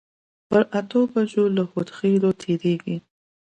پر اتو بجو له هودخېلو تېرېږي.